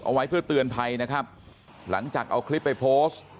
เอาไว้เพื่อเตือนภัยนะครับหลังจากเอาคลิปไปโพสต์